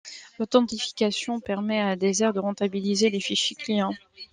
L'authentification permet à Deezer de rentabiliser les fichiers clients.